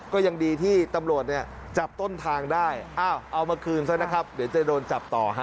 ก็ยังดีที่ตำรวจเนี่ยจับต้นทางได้เอามาคืนซะนะครับเดี๋ยวจะโดนจับต่อฮะ